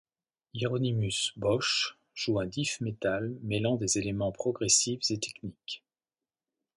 Hieronymus Bosch joue un death metal mêlant des éléments progressifs et techniques.